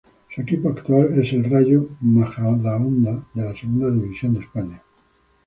Su equipo actual es el Rayo Majadahonda de la Segunda División de España.